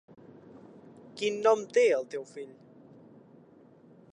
Quin nom té el teu fill?